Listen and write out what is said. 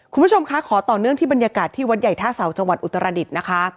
คุณผู้ชมคะขอต่อเนื่องที่บรรยากาศที่วัดใหญ่ท่าเสาจังหวัดอุตรดิษฐ์นะคะ